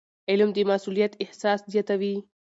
علم د مسؤلیت احساس زیاتوي.